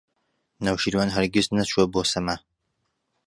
نەوشیروان هەرگیز نەچووە بۆ سەما.